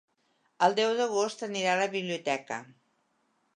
El deu d'agost anirà a la biblioteca.